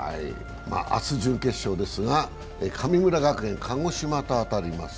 明日準決勝ですが、鹿児島の神村学園と当たります。